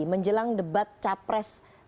menjelang debat capres